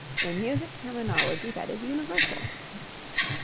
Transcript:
_, a music terminology that is universal.